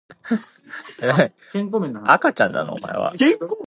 Duncan died in Jacksonville.